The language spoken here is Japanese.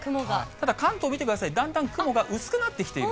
ただ関東見てください、だんだん雲が薄くなってきている。